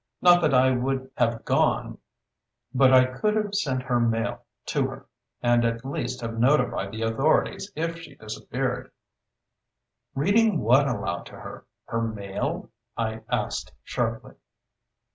Not that I would have gone; but I could have sent her mail to her, and at least have notified the authorities if she had disappeared." "Reading what aloud to her her mail?" I asked sharply.